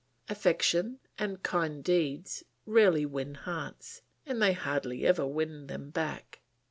Affection and kind deeds rarely win hearts, and they hardly ever win them back.